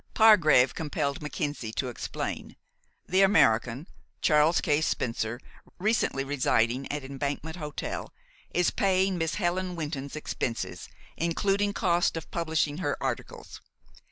Pargrave compelled Mackenzie to explain. The American, Charles K. Spencer, recently residing at Embankment Hotel, is paying Miss Helen Wynton's expenses, including cost of publishing her articles.